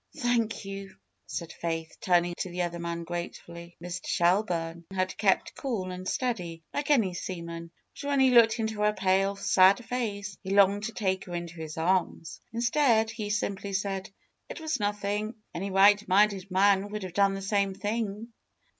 Thank you," said Faith, turning to the other man gratefully. Mr. Shelburne had kept cool and steady, like any seaman; but when he looked into her pale, sad face, he longed to take her into his arms. Instead, he simply said : ^Mt was nothing. Any right minded man would have done the same thing."